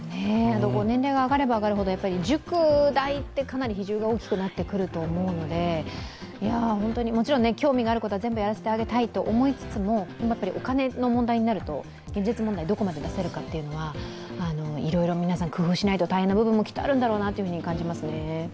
年齢が上がれば上がるほど塾代って比重が大きくなってくると思うのでもちろん興味があることは全部やらせてあげたいと思いつつもやっぱりお金の問題になると、現実問題、どこまで出せるか、いろいろ皆さん、工夫しないと大変な部分もきっとあるんだろうなと感じますね。